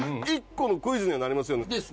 １個のクイズにはなりますよね。